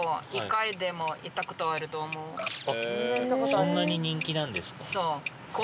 そんなに人気なんですか？